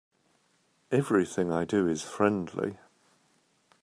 Everything I do is friendly.